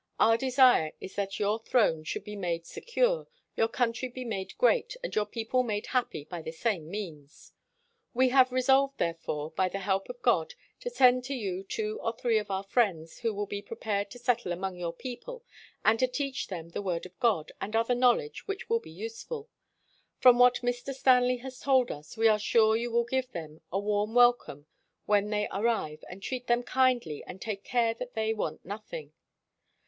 Our desire is that your throne should be made secure , your country be made great, and your people made happy by the same means. "We have resolved, therefore, by the help of God, to send to you two or three of our friends, who will be prepared to settle among your people, and to teach them the Word of God, and other knowledge which will be useful. ... From what Mr. Stanley has told us, we are sure you will give them a warm welcome when they ar rive, and treat them kindly, and take care that they want nothing.